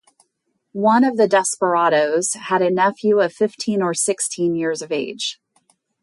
One of the desperados had a nephew of fifteen or sixteen years of age.